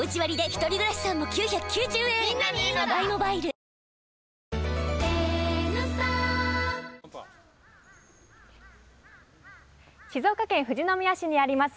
わかるぞ静岡県富士宮市にあります